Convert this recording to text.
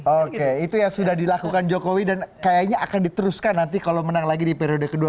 oke itu yang sudah dilakukan jokowi dan kayaknya akan diteruskan nanti kalau menang lagi di periode kedua